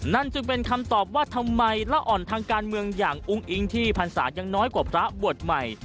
นั่นจึงเป็นคำตอบว่าทำไมละอ่อนทางการเมืองอย่างอุ้งอิงที่พรรษายังน้อยกว่าพระบวชใหม่